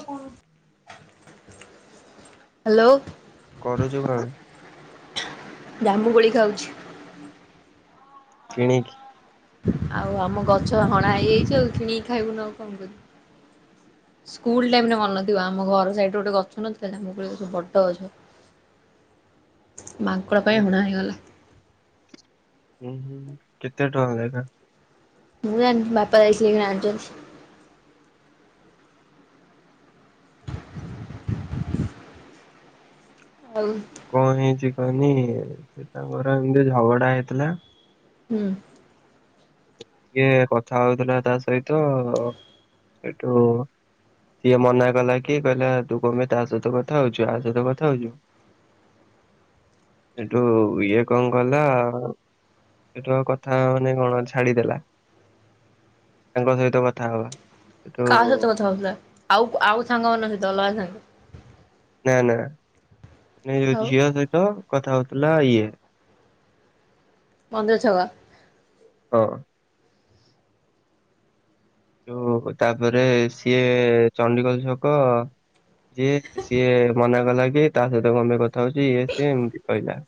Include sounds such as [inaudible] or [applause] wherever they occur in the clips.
[unintelligible] Hello କରୁଛୁ କଣ? ଜାମୁ କୋଳି ଖାଉଛି। କିଣିିକି। ଆଉ ଆମ ଗଛ ହଣା ହେଇଯାଇଛି ଆଉ କିଣିକି ଖାଇବୁନୁ ଆଉ କଣ କରିବୁ। ସ୍କୁଲ ଟାଇମ ରେ ମନ ନ ଥିବ ଆମ ଘର ସାଇଡରେ ଗୋଟେ ଗଛ ନଥିଲା ଜାମୁ କୋଳି ଗଛ ବଡ ଗଛ। ମାଙ୍କଡ଼ ପାଇଁ ହଣା ହେଇଗଲା। ଉୁଁ ହୁଁ କେତେ ଟଙ୍କା ଯାଇଥା ମୁଁ ଜାଣିନି ବାପା ଯାଇକି ଏଇଖିଣା ଆଣିଛନ୍ତି। ଆଉ କଣ ହେଇଛି କହନି ସେ ତାଙ୍କର ଏମିତି ଝଗଡା ହେଇଥିଲା। ହୁଁ। ଟିକେ କଥା ହଉଥିଲା ତା ସହିତ ସେଠୁ ସିଏ ମନା କଲା କି କହିଲା ତୁ କଁ ପାଇଁ ତା ସହିତ କଥା ହଉଛୁ ୟା ସହିତ କଥା ହଉଛୁ। ଏଠୁ ଇଏ କଣ କଲା ସେଟୁ ଆଉ ମାନେ କଣ ଛାଡିଦେଲା। ତାଙ୍କ ସହିତ କଥା ହବା। ସେଠୁ କାହା ସହିତ କଥା ହଉଥିଲା ଆଉ ଆଉ ସାଙ୍ଗ ମାନଙ୍କ ସହିତ ଅଲଗା ସାଙ୍ଗ। ନା ନାେ ଯୋଉ ଆଉ ଝିଅ ସହିତ କଥା ହଉଥିଲା ଇଏ। ପନ୍ଦ ଛକା ହଁ। ଯୋଉ ତାପରେ ସିଏ ଚଣ୍ଡିଖୋଲ ଛକ ଯିଏ ସିଏ ମନା କଲା କି ତା ସହିତ କଁ ପାଇଁ କଥା ହଉଚି ଇଏ ସିଏ ଏମତି କହିଲା।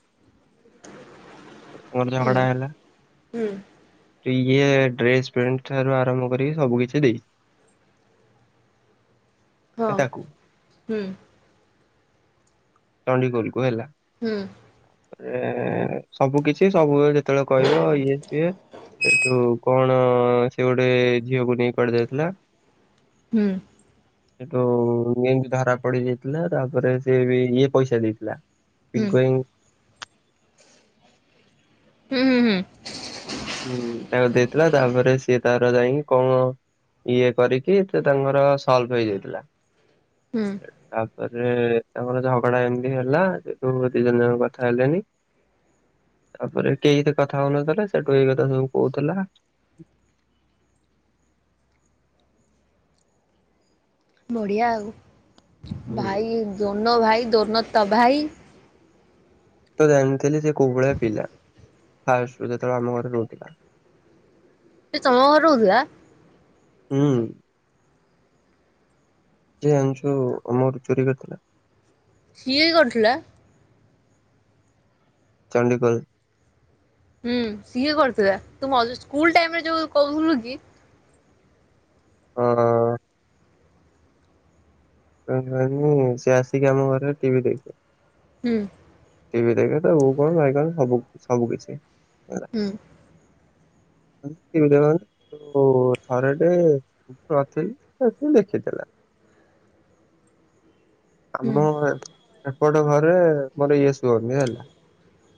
ର ହୁଁ ଝଗଡା ହେଲା ହୁଁ ଇଏ ଡ୍ରେସ ପେଣ୍ଟ ଠାରୁ ଆରମ୍ଭ କରି ସବୁ କିିଛି ଦେଇଛି। ହଁ ତାକୁ। ହୁଁ। ଚଣ୍ଡିଖୋଲକୁ ହେଲା। ହୁଁ। ଏଁ ସବୁ କିଛି ସବୁ ଯେତେବେଳେ କହିବ ଇଏ ସିଏ ସେଇଠୁ କଣ ସିଏ ଗୋଟେ ଝିଅକୁ ନେଇକି କୁଆଡ଼େ ଯାଇଥିଲା ହୁଁ। ସେଠୁ ଏମତି ଧରା ପଡି ଯାଇଥିଲା ତାପରେ ସିଏ ବି ଇଏ ପଇସା ଦେଇଥିଲା। ହୁଁ ପିଣ୍ଟୁ ଆଇ ହୁଁ ହୁଁ ହୁଁ। ହୁଁ ତାକୁ ଦେଇଥିଲା ତାପରେ ସିଏ ତାର ଯାଇକି କଣ ଇଏ କରିକି ସେ ତାଙ୍କର ସଲ୍ଭ ହେଇଯାଇଥିଲା। ହୁଁ। ତାପରେ ତାଙ୍କର ଝଗଡା ଏମିତି ହେଲା ସେଠୁ ଦି ଜଣ ଯାଙ୍କ କଥା ହେଲେନି। ହଁ ତାପରେ କେହିତ କଥା ହଉନଥିଲେ ସେଠୁ ଏଇ କଥା ସବୁ କହୁଥିଲା। ବଢ଼ିଆ ଆଉ ଭାଇ ହୁଁ। ଦୋନୋ ଭାଇ ଦୋନୋ ତବାହି। ମୁଁ ତ ଜାଣିଥିଲି ସେ କୋଉ ଭଳିଆ ପିଲା ଫାଷ୍ଟରୁ ଯେତେବେଳେ ଆମ ଘରେ ରହୁଥିଲା। ସେ ତମ ଘରେ ରହୁଥିଲା। ହୁଁ। ଯେ ଆମଛୁ ଆମ ଘରୁ ଚୋରି କରିଥିଲା। ସିଏ କରିଥିଲା। ଚଣ୍ଡିଖୋଲ। ହୁଁ ସିଏ କରୁଥିଲା ତୁ ମ ସ୍କୁଲ ଟାଇମ ରେ ଯୋଉ କହୁଥିଲୁ କି। ହଁ। [unintelligible] ସେ ଆସିକି ଆମ ଘରେ ଟିଭି ଦେଖେ। ହୁଁ। ଟିଭି ଦେଖେ ତା ବୋଉ କଣ ଭାଇ କଣ ସବୁ ସବୁ କିଛି। ହେଲା ହୁଁ। ଟିଭି ଦେଖନ୍ତି ଯୋଉ ଥରଟେ ନଥିଲି ସେ ଦେଖିଥିଲା। ହୁଁ ଆମ ଏପଟ ଘରେ ମୋରୋ ଇଏ ଶୁଅନ୍ତି ହେଲା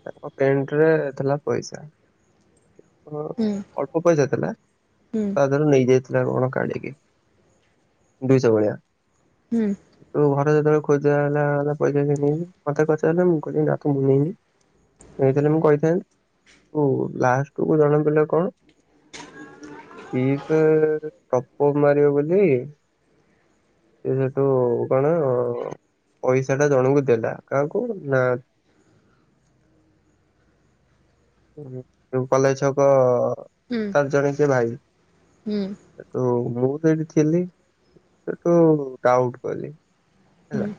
[unintelligible] ପେଣ୍ଟେରେ ଥିଲା ପଇସା। ହଁ ହୁଁ ଅଳ୍ପ ପଇସା ଥିଲା ହୁଁ ତା ଦେହରୁ ନେଇଯାଇ ଚିନା କଣ କାଢିକି ଦୁଇଶ ଭଳିଆ। ହୁଁ। [unintelligible] ଘରେ ଯେତୋବୋଳେ ଖୋଜା ହେଲା ହେଲା ପଇସା କିଏ ନେଇଚି ମତେ ପଚାରିଲେ ମୁଁ କହିଲି ନା ତ ମୁଁ ନେଇନି। ନେଇଥିଲେ ମୁଁ କହିଥାନ୍ତି [unintelligible] ଲାଷ୍ଟକୁୁ ଜଣା ପଇଲା କଣ? ଫ୍ରି ଫାୟାର ଟପ ଅପ ମାରିବ ବୋଲି ସିଏ ସେଠୁ କଣ ତ ପଇସା ଟା ଜଣଙ୍କୁ ଦେଲା କାହାକୁ ନା ଉଁହୁଁ ଯୋଉ କଲେଜ୍ ଛକ ହୁଁ। ତାର ଜଣେ ସିଏ ଭାଇ। ହୁଁ। ହେଟୁ ମୁଁ ସେଇଠି ଥିଲି ସେଟୁ ଡାଉଟ କଲି ହୁଁ ହୁଁ ହେଲା।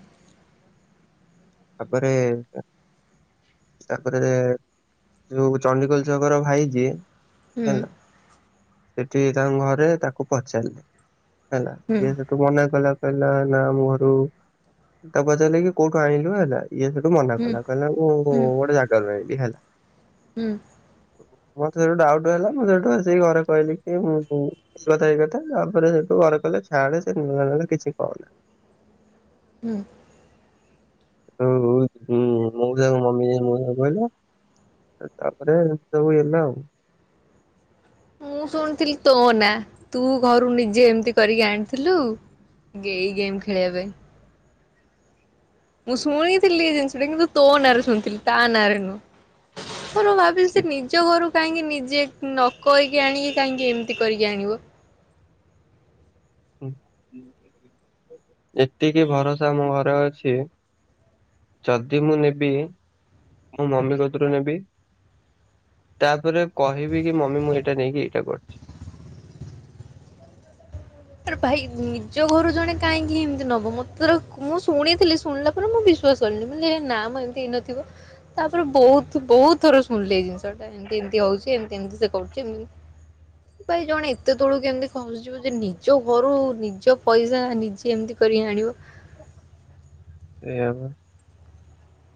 ତାପରେ ତାପରେ ଯୋଉ ଚଣ୍ଡିଖୋଲ ଛକର ଭାଇ ଯିଏ। ହେଲା ସେଠି ତାଙ୍କ ଘରେ ତାକୁ ପଚାରିଲେ ହେଲା ହୁଁ ଇଏ ଠୁ ମନା କଲା କହିଲା ନା ମୁଁ ଘରୁ ତାକୁ ପଚାରିଲେ କିି କୋଉଠୁ ଆଇଁଲୁ ହେ ଇଏ ସେଠୁ ମନା କଲା କହିଲା ମୁଁ ହୁଁ ଗୋଟେ ଜାଗା ରୁ ଆଇଁଲି ହେଲା। ହୁଁ। ମତେ ହେଟୁ ଡାଉଟ ହେଲା ମୁଁ ସେଠୁ ଆସିକି ଘରେ କହିଲି କି ମୁଁ [unintelligible] ଏଇ କଥା ଏଇ କଥା ତାପରେ ସେଠୁ ଘରେ କହିଲେ ଛାଡେ ସେ ନେଲା ନେଲା କିଛି କହନା। ହୁଁ। ସେଟୁ ଉଁ ମୋଉଷା ଙ୍କୁ ମମି ଯାଇ ମୋଉଷାଙ୍କୁ କହିଲା। ଏ ତାପରେ ଏମିତି ସବୁ ହେଲା ଆଉ। ମୁଁ ଶୁଣିଥିଲି ତୋ ନା ତୁ ଘରୁ ନିଜେ ଏମିତି କରିକି ଆଣିଥିଲୁ। ଗେଇ ଗେମ୍ ଖେଳିବା ପାଇଁ। ମୁଁ ଶୁଣିଥିଲି ଏ ଜିନିଷଟା କିନ୍ତୁ ତୋ ନାଁରେ ଶୁଣିଥିଲି ତା ନାଁରେ ନୁହଁ। [unintelligible] ଭାବିଲି ସେ ନିଜ ଘରୁ କାହିଁକି ନିଜେ ନ କହିକି ଆଣିକି କାହିଁକି ଏମିତି କରିକି ଆଣିବ। ହୁଁ ଏତିକି ଭରସା ମୋ ଘରେ ଅଛି। ଯଦି ମୁଁ ନେବି ମୋ ମମି କତୁରୁ ନେବି। ତାପରେ କହିବି କି ମମି ମୁଁ ଏଟା ନେଇକି ଏଇଟା କରିଚି। ଆରେ ଭାଇ ନିଜ ଘରୁ ଜଣେ କାହିଁକି ଏମିତି ନବ [unintelligible] ମୁଁ ଶୁଣିଥିଲି ଶୁଣିଲା ପରେ ମୁଁ ବି ଶ୍ୱାସ କଲିନି [unintelligible] ନାମ ଏମିତି ହେଇ ନଥିବ ତାପରେ ବୋହୁତ ବୋହୁତ ଥର ଶୁଣଲି ଜିନିଷଟା ଏମିତି ଏମିତି ହୋଉଛି ଏମିତି ଏମିତି ସେ କରୁଚି ଉଁ ଭାଇ ଜଣ ଏତେ ତଳୁକୁ କେମିତି ଖସିଯିବ ଯେ ନି ରୁ ନିଜ ପଇସା ନିଜେ ଏମିତି କରିକି ଆଣିବ। ସେୟା ପା।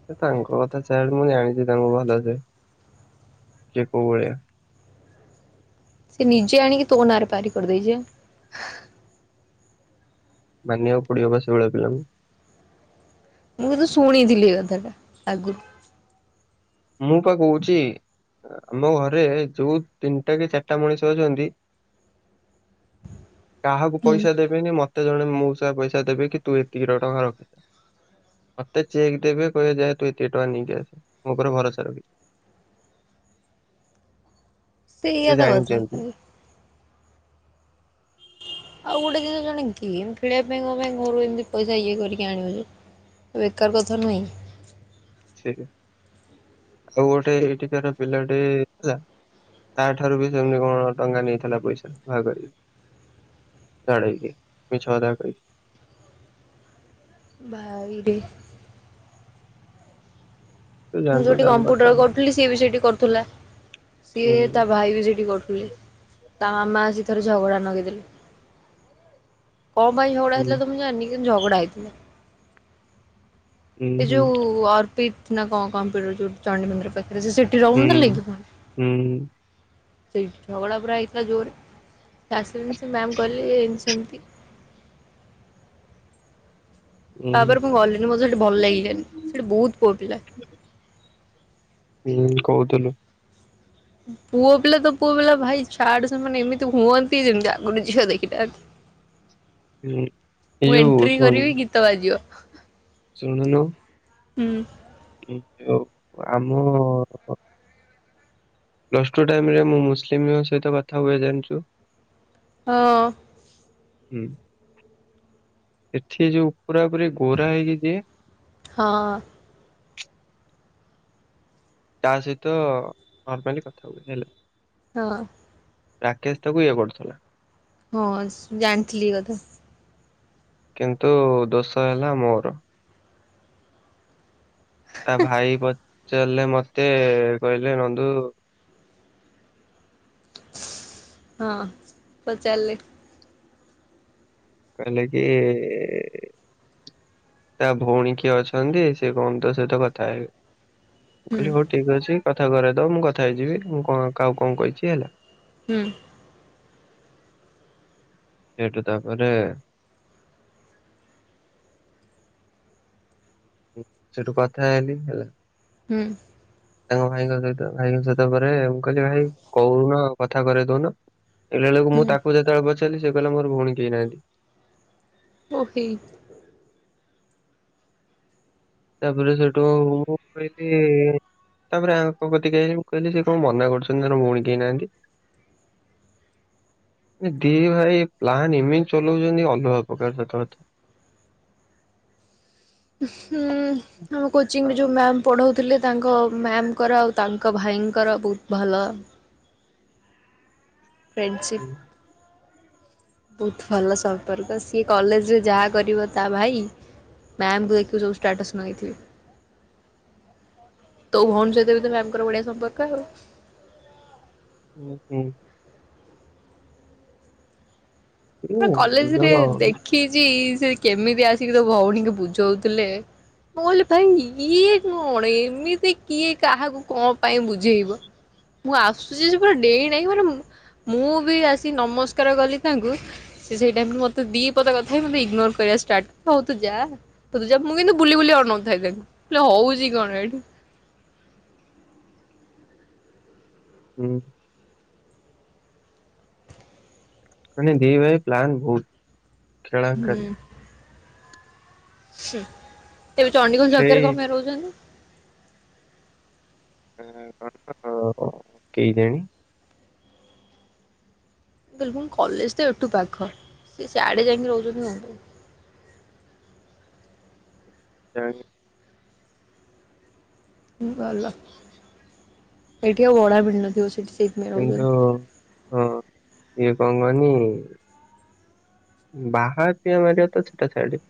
ହେ ତାଙ୍କ କଥା ଛାଡ଼ ମୁଁ ଜାଣିଚି ତାଙ୍କୁ ଭଲସେ। କିଏ କୋଉ ଭଳିଆ? ସିଏ ନିଜେ ଆଣିକି ତୋ ନାଁରେ ପାରି କରିଦେଇଚି ଆଁ। ମାନିବାକୁ ପଡିବ ପା ସେଇ ଭଳିଆ ପିଲାଙ୍କୁ। ମୁଁ କିନ୍ତୁ ଶୁଣିଥିଲି ଏଇ କଥାଟା ଆଗୁରୁ। ମୁଁ ପା କୋହୁଚି ଅଁ ଆମ ଘରେ ଯୋଉ ତିନିଟା କି ଚାରିଟା ମଣିଷ ଅଛନ୍ତି। [inaudible] କାହାକୁ ହୁଁ ପଇସା ଦେବେନି ମତେ ଜଣେ ମୋଉସା ପଇସା ଦେବେ କି ତୁ ଏତିକି ର ଟଙ୍କା ରଖ। ମତେ ଚେକ୍ ଦେବେ କହିବେ ଯା ତୁ ଏତିିକି ଟଙ୍କା ନେଇକି ଆସେ। ମୋଉପରେ ଭରସା ରଖିବେ। ସେଇଆ ସେ ତ କଥା। ଜାଣିଛନ୍ତି କାଲି ଆଉ ଗୋଟେ ଜିନିଷ ଜଣେ ଗେମ୍ ଖେଳିବା ପାଇଁ କ ପାଇଁ ଘରୁ ଏମିତି ପଇସା ଇଏ କରିକି ଆଣିବଜେ? ବେକାର କଥା ନୁହେଁ। ଠିକ୍ ଆଉ ଗୋଟେ ଏଠିକାର ପିଲାଟି ଥିଲା। ତାଠାରୁ ବି ସେମିତି କଣ ଟଙ୍କା ନେଇଥିଲା ପଇସା ଭାଗ କରିକି। ଛଢେଇକି ମିଛ କଥା କହିକି। ଭାଇରେ। ତୁ ମୁଁ ଜାଣିନୁ ଯୋଉଠି ତାଙ୍କ କଥା କମ୍ପ୍ୟୁଟର ହୁଁ କରୁଥିଲି ସିଏ ବି ସେଇଠି କରୁଥିଲା। ସିଏ ତା ହୁଁ ଭାଇ ବି ସେଇଠି କରୁଥିଲେ। ତା ମାମା ଆସି ଥରେ ଝଗଡ଼ା ନଗେଇଦେଲେ। କଣ ପାଇଁ ଝଗଡା ହେଇଥିଲା ତମୁଁ ଜାନି କିନ୍ତୁ ଝଗଡା ହେଇଥିଲା। ହୁଁ ଏ ହୁଁ। ଯୋଉ ଅର୍ପିଟ ନା କଣ କମ୍ପ୍ୟୁଟର ଯୋଉ ଚଣ୍ଡୀ ମନ୍ଦିର ପାଖରେ। ସେ ସେଇ ହୁଁ ରହୁନଥିଲେ କି ପୁଣି? ହୁଁ ସେଇ ଝଗଡ଼ା ପୁରା ହେଇଥିଲା ଜୋରେ ଆସିଲି ସେ ମ୍ୟାମ୍ କହିଲେ ଏମତି ସେମିତି। ହୁଁ ତାପରେ ମୁଁ ଗଲିନି ମତେ ସେଠି ଭଲ ଲାଗିଲାନି ସେଠି ବହୁତ ପୁଅ ପିଲା। ହୁଁ କହୁଥିଲୁ। ପୁଅ ପିଲା ତ ପୁଅ ପିଲା ଭାଇ ଛାଡେ ସେମାନେ ଏମିତି ହୁଅନ୍ତି ଯେମିତି ଆଗରୁ ଝିଅ ଦେଖିନାହାନ୍ତି। ହୁଁ ଏଇ ମୁଁ ଯୋଉ ଏଣ୍ଟ୍ରି କରିବି ଗୀତ ବାଜିବ। ଶୂଣୁନୁ? ହୁଁ। ଉଁ ଯଉ ଆମ ପ୍ଲସ୍ ଟୁ ଟାଇମରେ ମୁଁ ମୁସଲିମଙ୍କ ସହିତ କଥା ହୁଏ ଜାଣିଛୁ। ହଁ। ହୁଁ। ଏଠି ଯୋଉ ପୁରା ପୁରି ଗୋରା ହେଇକି ଯିଏ? ହଁ। ତା ସହିତ କଂପାନୀ କଥା ହୁଏ ହେଲା। ହଁ। ରାକେଶ ତାକୁ ଇଏ କରୁଥିଲା। ହଁ ସ ଜାଣିଥିଲି ଏ କଥା। କିନ୍ତୁ ଦୋଷ ହେଲା ମୋର। ତା ଭାଇ ପଚାରିଲେ ମତେ କହିଲେ ନନ୍ଦୁ ହଁ ପଚାରିଲେ। କହିଲେ କି ତା ଭଉଣୀ କିଏ ଅଛନ୍ତି ସେ କଣ ତୋ ସହିତ କଥା ହେବେ ମୁ ହୁଁ କହିଲି ହଉ ଠିକ ଅଛି କଥା କରେଇ ଦବ ମୁଁ କଥା ହେଇଯିବି ମୁଁ କଣ କା ଉ କଣ କହିଛି ହେଲା। ହୁଁ। ସେଇଠୁ ତାପରେ ସେଠୁ କଥା ହେଲି ହେଲା। ହୁଁ। ତାଙ୍କ ଭାଇଙ୍କ ସହିତ ଭାଇଙ୍କ ସହିତ ପରେ ମୁଁ କହିଲି ଭାଇ କହୁନ କଥା କରେଇ ଦଉନ। ଦେଖିଲା ବେଳକୁ ମୁଁ ହୁଁ ତାକୁ ଯେତେବେଳେ ପଚାରିଲି ସେ କଲା ମୋର ଭଉଣ କେହି ନାହାନ୍ତି। ଓ ହେଇ। ତାପରେ ସେଠୁ ମୁଁ କହିଲି ତାପରେ ଆଙ୍କ କତିକି ଆଇଲି ମୁଁ କଇଲି ସେ କଣ ମନା କରୁଛନ୍ତି ତାଙ୍କ ଭଉଣୀ କେଇ ନାହାନ୍ତି। [inaudible] ଏ ଦି ଭାଇ ପ୍ଲାନ୍ ଏମିତି ଚଲଉଚନ୍ତି ଅଲଗା ପ୍ରକାର ସତ କଥା। ହୁଁ ଆମ କୋଚିଂ ବାବା। ଯୋଉ ମ୍ୟାମ୍ ପଢ଼ଉଥିଲେ ତାଙ୍କ ମ୍ୟାମ୍ ଙ୍କର ଆଉ ତାଙ୍କ ଭାଇଙ୍କର ବହୁତ ଭଲ। ଫ୍ରେଣ୍ଡସିପ୍। ବହୁତ ଭଲ ସମ୍ପର୍କ ସିଏ କଲେଜରେ ଯାଆ କରିବ ତା ଭାଇ ମ୍ୟାମ୍ ଙ୍କୁ ଦେଖିବୁ ସବୁ ସ୍ଟାଟସ ଲଗେଇଥିବେ। ତୋ ଭଉଣୀ ସହିତ ବି ମ୍ୟମ ଙ୍କର ବଢିଆ ସମ୍ପର୍କ ଆଉ। ହୁଁ ହୁଁ। ହୁଁ, ପା ଦି କଲେଜ ରେ ଜଣ ଦେଖିଚି ସେ କେମିତି ଆସିକି ତୋ ଭଉଣୀକୁ ବୁଝଉଥିଲେ। ମୁଁ କହିଲି ଭାଇ ଇଏ କଣ ଏମିତି କିଏ କାହାକୁ କଣ ପାଇଁ ବୁଝେଇବ। ମୁଁ ଆସୁଛି ସେ ପୁରା ଡେଇଁ ଡାଇଁ ମାନେ ମୁଁ ବି ଆସି ନମସ୍କାର କଲି ତାଙ୍କୁ ସେଇ ଟାଇମରେ ମତେ ଦି ପଦ କଥା ହେଇ ମତେ ଇଗନୋର କରିବା ଷ୍ଟାର୍ଟ ହଉ ତୁ ଯା। ତୁ ଯା ମୁଁ କିନ୍ତୁ ବୁଲି ବୁଲି ଅନଉଥାଏ ତାକୁ ହଉଛି କଣ ଏଇଠି। ହୁଁ। ମାନେ ଦି ଭାଇ ପ୍ଲାନ ବହୁତ ଖେଳାଙ୍କାରି। ସେ ତେବେ ଚଣ୍ଡିଖୋଲ ଛକରେ ସେଇ କ ପାଇଁ ରହୁଛନ୍ତି। କଣ କେଇ ଜାଣି। ମୁ କାଇଲୀ କଲେଜ ତ ଏଠୁ ପାଖ ସେ ସିଆଡେ ଯାଇକି ରହୁଛନ୍ତି କଣ ପାଇଁ। କେଆଣି। ଉଁ ଭଲ ଏଇଠି ଆଉ ଭଡ଼ା ମିଳନଥିବ ସେଠି ସେ କିନ୍ତୁ ହଁ ଇଏ କଣ କହନି। ବାହା ପିଆ ମାରିବ ତ ଛୋଟ ଛୁଆଟି।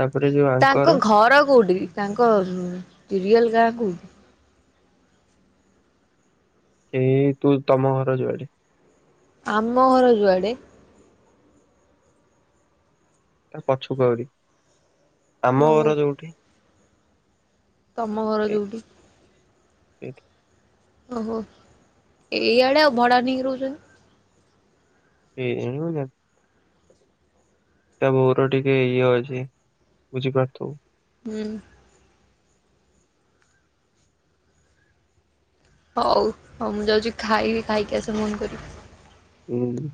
ତାପରେ ଯୋଉ ଆ ତାଙ୍କ ଘର କୋଉଠି ତାଙ୍କ ରିଅଲ ଗାଁ କୋଉଠି? ଏଇ ତୁ ତମ ଘର ଯୁଆଡେ। ଆମ ଘର ଯୁଆଡ଼େ। ତା ପଛକୁ ଆଉରି ଆମ ଓହୋ ଘର ଯୋଉଠି। ତମ ଘର ଯୋଉଠି। ଏଠି। ଓହୋ ଏଇଆଡେ ଆଉ ଭଡା ନେଇକି ରହୁଚନ୍ତି। କେଆଣି ମୁ ଜାଣିନି। ତା ବୋଉର ଟିକେ ଇଏ ଅଛି ବୁଝିପାରୁଥୁବୁ। ହୁଁ। ହଉ ହଉ ମୁଁ ଯାଉଛି ଖାଇବି ଖାଇକି ଆସେ ଫୋନ୍ କରିବି। ଉଁ।